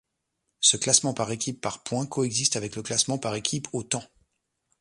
Ce classement par équipes par point coexiste avec le classement par équipes au temps.